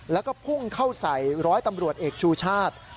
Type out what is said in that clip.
แล้วก็พุ่งเข้าใส่ร้อยตำรวจเอกชูชาติ